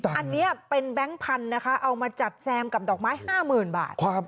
อันนี้เป็นแบงค์พันธุ์นะคะเอามาจัดแซมกับดอกไม้๕๐๐๐บาท